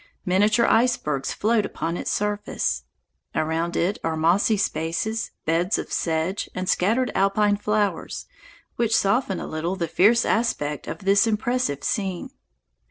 Miniature icebergs float upon its surface. Around it are mossy spaces, beds of sedge, and scattered alpine flowers, which soften a little the fierce aspect of this impressive scene.